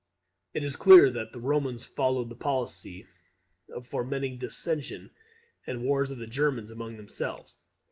[It is clear that the Romans followed the policy of fomenting dissension and wars of the Germans among themselves.